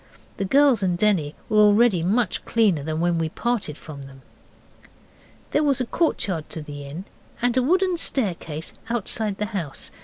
The girls and Denny were already much cleaner than when we parted from them. There was a courtyard to the inn and a wooden staircase outside the house.